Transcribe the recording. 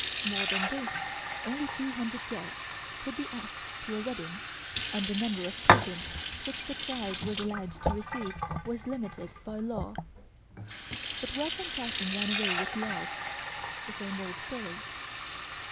More than this, only two hundred guests could be asked to a wedding, and the number of presents which the bride was allowed to receive was limited by law. But wealth and fashion ran away with laws; the same old story.